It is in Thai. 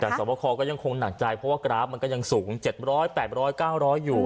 แต่สวบคอก็ยังคงหนักใจเพราะว่ากราฟมันก็ยังสูง๗๐๐๘๐๐๙๐๐อยู่